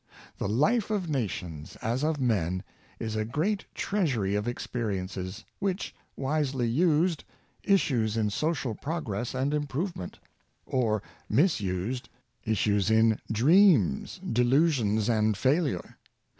The life of nations, as of men, is a great treasury of ex perience, which, wisely used, issues in social progress and improvement; or, misused, issues in dreams, delu sions, and failure.